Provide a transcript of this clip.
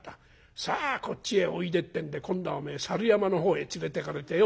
さあこっちへおいで』ってんで今度はおめえ猿山の方へ連れてかれてよ